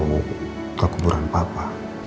aku juga mau ke kuburan papa